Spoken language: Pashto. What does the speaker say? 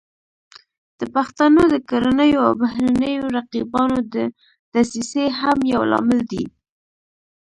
د پښتنو د کورنیو او بهرنیو رقیبانو دسیسې هم یو لامل دی